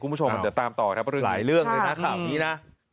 คุณผู้ชมเดี๋ยวตามต่อครับหลายเรื่องเลยนะข่าวนี้นะ